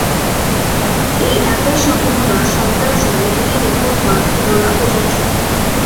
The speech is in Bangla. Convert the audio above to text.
এই একই সম্ভাবনার সমতার জন্য দুটি রেকর্ড মান তুলনা প্রযোজ্য।